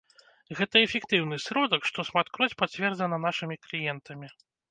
Гэта эфектыўны сродак, што шматкроць пацверджана нашымі кліентамі.